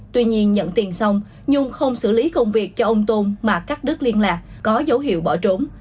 tuy nhiên nhận tiền xong nhung không xử lý công việc cho ông tôn mà cắt đứt liên lạc có dấu hiệu bỏ trốn